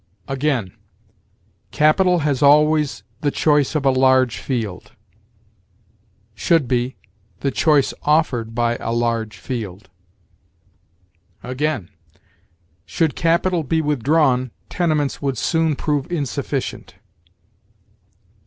Again: "Capital has always the choice of a large field." Should be, "the choice offered by a large field." Again: "Should capital be withdrawn, tenements would soon prove insufficient."